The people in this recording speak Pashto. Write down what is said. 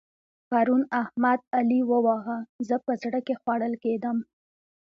پرون احمد؛ علي وواهه. زه په زړه کې خوړل کېدم.